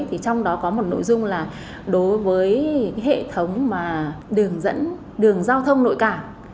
trong đó có một nội dung là đối với hệ thống mà đường dẫn đường giao thông nội cả